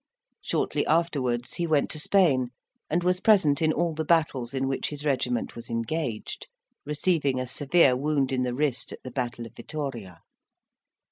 Shortly afterwards, he went to Spain, and was present in all the battles in which his regiment was engaged; receiving a severe wound in the wrist at the battle of Vittoria.